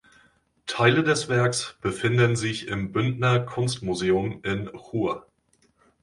Teile des Werks befinden sich im Bündner Kunstmuseum in Chur.